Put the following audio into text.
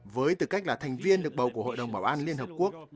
với tư cách là thành viên được bầu của hội đồng bảo an liên hợp quốc